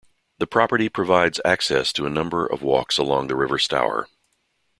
The property provides access to a number of walks along the River Stour.